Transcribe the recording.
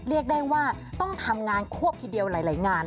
เรียกได้ว่าต้องทำงานควบทีเดียวหลายงาน